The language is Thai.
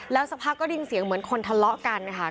แล้วสักพักก็ดินเสียงเหมือนคนทะเลาะกันนะคะ